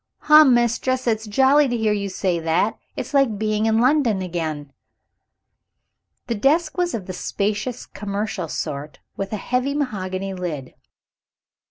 "Ha, Mistress, it's jolly to hear you say that it's like being in London again." The desk was of the spacious commercial sort, with a heavy mahogany lid.